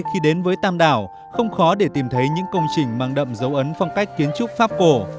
khi đến với tam đảo không khó để tìm thấy những công trình mang đậm dấu ấn phong cách kiến trúc pháp cổ